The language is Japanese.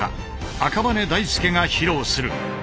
赤羽根大介が披露する。